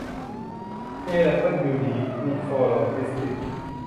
เจดับเบิ้ลยูดี อินโฟโลจิสติกส์